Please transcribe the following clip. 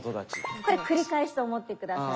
これ繰り返しと思って下さい。